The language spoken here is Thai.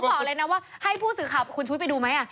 เขาบอกอะไรนะว่าให้ผู้สื่อข่าวคุณช่วยไปดูไหม